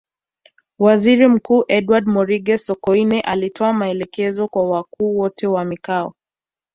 Waziri Mkuu Edward Moringe Sokoine alitoa maelekezo kwa wakuu wote wa mikoa